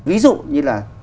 ví dụ như là